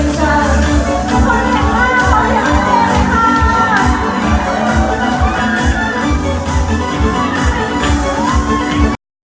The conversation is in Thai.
ไม่ดีกว่าเกรงใจ